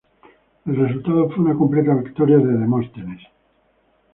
El resultado fue una completa victoria de Demóstenes.